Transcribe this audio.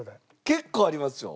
結構ありますよ。